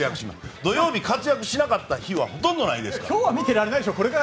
土曜日、活躍しなかった日はほとんどないですから。